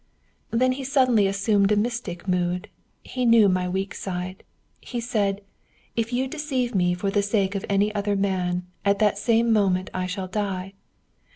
"Then he suddenly assumed a mystic mood, he knew my weak side. He said: 'If you deceive me for the sake of any other man, at that same moment I shall die.